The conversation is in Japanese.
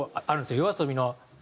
ＹＯＡＳＯＢＩの。